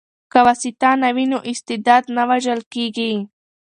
که واسطه نه وي نو استعداد نه وژل کیږي.